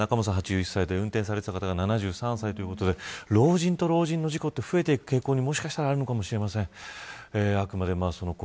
仲本さん８１歳で運転されていた方が７３歳ということで老人と老人の事故は増えていく傾向にあるかもしれません。